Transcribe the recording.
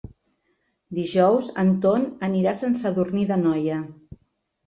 Dijous en Ton anirà a Sant Sadurní d'Anoia.